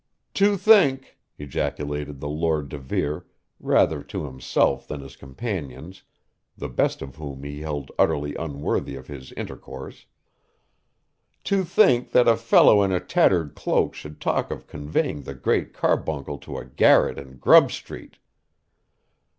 'To think!' ejaculated the Lord de Vere, rather to himself than his companions, the best of whom he held utterly unworthy of his intercourse 'to think that a fellow in a tattered cloak should talk of conveying the Great Carbuncle to a garret in Grub Street!